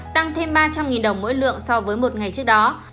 tăng thêm ba trăm linh đồng mỗi lượng so với một ngày trước đó